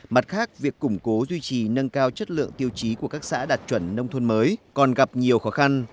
mặt khác việc củng cố duy trì nâng cao chất lượng tiêu chí của các xã đạt chuẩn nông thôn mới còn gặp nhiều khó khăn